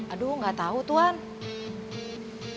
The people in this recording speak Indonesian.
aduh gak tau tuhan